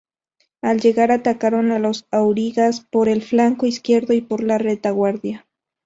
Al llegar atacaron a los aurigas por el flanco izquierdo y por la retaguardia.